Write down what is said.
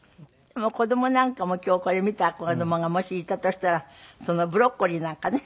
子供なんかも今日これ見た子供がもしいたとしたらブロッコリーなんかね。